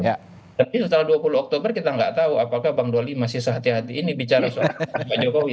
tapi setelah dua puluh oktober kita nggak tahu apakah bang doli masih sehati hati ini bicara soal pak jokowi